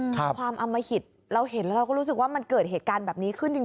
ความอมหิตเราเห็นแล้วเราก็รู้สึกว่ามันเกิดเหตุการณ์แบบนี้ขึ้นจริง